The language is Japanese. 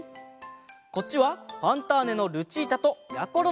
こっちは「ファンターネ！」のルチータとやころのえ。